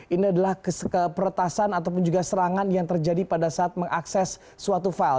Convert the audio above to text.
ini adalah keperetasan ataupun juga serangan yang terjadi pada saat mengakses suatu file